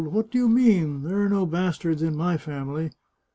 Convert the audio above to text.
What do you mean ? There are no bastards in my family."